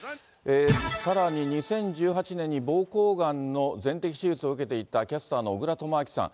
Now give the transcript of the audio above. さらに、２０１８年にぼうこうがんの全摘手術を受けていた、キャスターの小倉智昭さん。